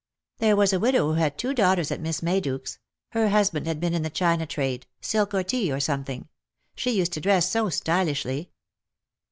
There was a widow who had two daughters at Miss Mayduke's ; her husband had been in the China trade — silk, or tea, or something. She used to dress so stylishly."